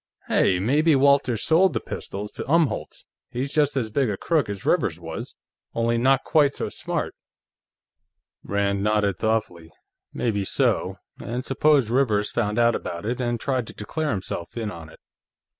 "Hey! Maybe Walters sold the pistols to Umholtz! He's just as big a crook as Rivers was, only not quite so smart." Rand nodded thoughtfully. "Maybe so. And suppose Rivers found out about it, and tried to declare himself in on it.